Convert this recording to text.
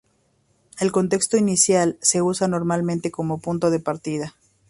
El contexto inicial se usa normalmente como punto de partida.